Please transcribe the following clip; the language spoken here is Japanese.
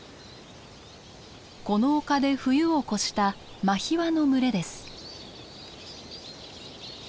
この丘で冬を越したマヒワの群れです。